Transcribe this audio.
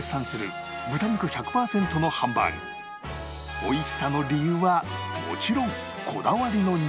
美味しさの理由はもちろんこだわりの肉